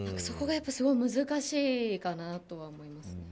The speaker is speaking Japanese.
そこがすごい難しいかなとは思います。